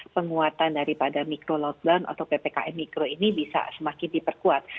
penguatan daripada mikro lockdown atau ppkm mikro ini bisa semakin diperkuat